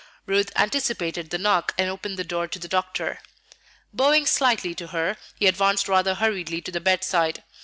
Ruth anticipated the knock, and opened the door to the doctor. Bowing slightly to her, he advanced rather hurriedly to the bedside.